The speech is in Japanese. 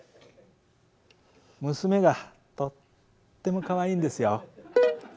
娘がとってもかわいいんですよ。